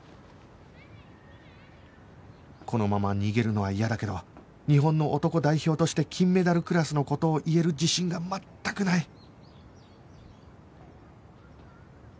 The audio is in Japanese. このまま逃げるのは嫌だけど日本の男代表として金メダルクラスの事を言える自信が全くない